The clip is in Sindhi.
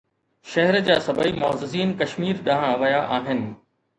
شهر جا سڀئي معززين ڪشمير ڏانهن ويا آهن.